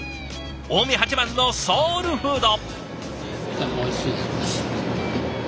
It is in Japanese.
近江八幡のソウルフード！